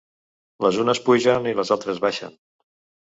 Les unes pugen i les altres baixen.